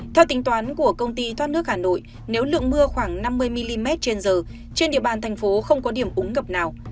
theo tính toán của công ty thoát nước hà nội nếu lượng mưa khoảng năm mươi mm trên giờ trên địa bàn thành phố không có điểm úng ngập nào